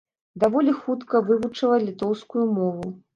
Даволі хутка вывучыла літоўскую мову.